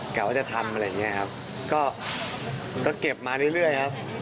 กะว่าจะทำอะไรอย่างนี้ครับก็เก็บมาเรื่อยครับ